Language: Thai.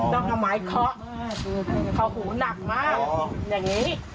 ต้องเอาไม้เคาะเพราะหูหนักมากอย่างนี้